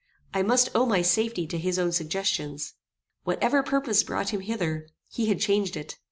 I must owe my safety to his own suggestions. Whatever purpose brought him hither, he had changed it.